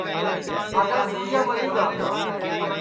دؔادؔا سُورِیا مری گا